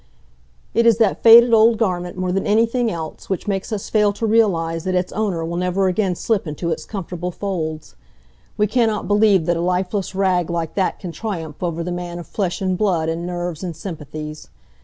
It is that faded old garment, more than anything else, which makes us fail to realize that its owner will never again slip into its comfortable folds. We cannot believe that a lifeless rag like that can triumph over the man of flesh and blood and nerves and sympathies.